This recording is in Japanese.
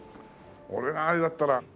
俺があれだったら。